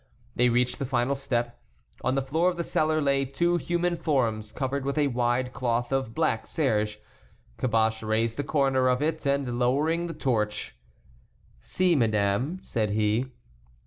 They reached the final step. On the floor of the cellar lay two human forms covered with a wide cloth of black serge. Caboche raised a corner of it, and, lowering the torch: "See, madame," said he.